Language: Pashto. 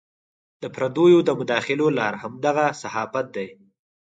د پردیو د مداخلو لار همدغه صحافت دی.